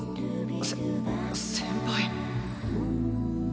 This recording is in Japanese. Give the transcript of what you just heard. せ先輩。